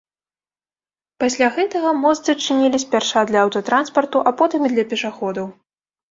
Пасля гэтага мост зачынілі спярша для аўтатранспарту, а потым і для пешаходаў.